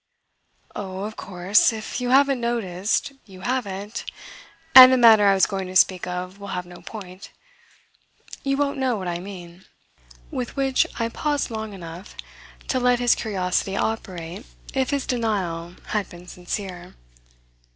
"Oh, of course, if you haven't noticed, you haven't, and the matter I was going to speak of will have no point. You won't know what I mean." With which I paused long enough to let his curiosity operate if his denial had been sincere.